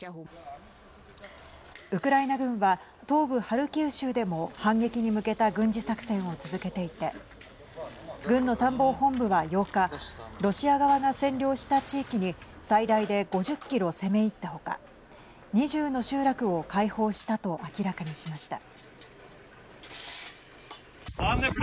ウクライナ軍は東部ハルキウ州でも反撃に向けた軍事作戦を続けていて軍の参謀本部は、８日ロシア側が占領した地域に最大で５０キロ攻め入った他２０の集落を解放したと明らかにしました。